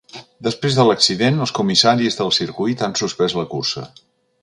Després de l’accident, els comissaris del circuit han suspès la cursa.